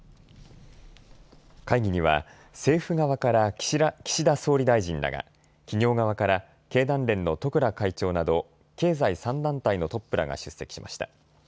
会議には政府側から岸田総理大臣らが、企業側から経団連の十倉会長など経済３団体のトップらが出席しました。